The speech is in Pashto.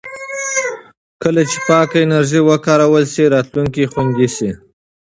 کله چې پاکه انرژي وکارول شي، راتلونکی خوندي شي.